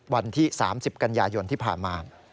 วันที่๓๐กันยายนที่ผ่านมา